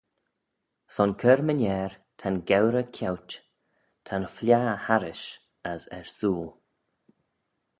Son cur-my-ner ta'n geurey ceaut, ta'n fliaghey harrish as ersooyl.